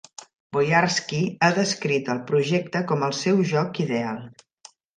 Boyarsky ha descrit el projecte com el seu "joc ideal".